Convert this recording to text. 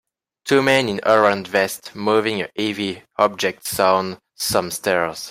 Two men in orange vests moving a heavy object sown some stairs.